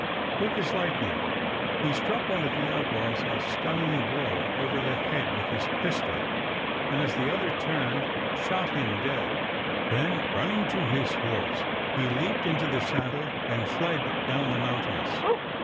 Quick as lightning he struck one of the outlaws a stunning blow over the head with his pistol and as the other turned shot him dead; then running to his horse he leaped into the saddle and fled down the mountains.